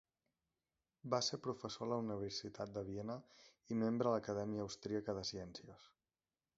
Va ser professor de la Universitat de Viena i membre de l'Acadèmia Austríaca de Ciències.